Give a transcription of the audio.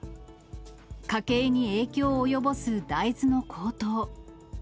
家計に影響を及ぼす大豆の高騰。